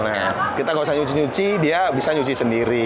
nah kita nggak usah nyuci nyuci dia bisa nyuci sendiri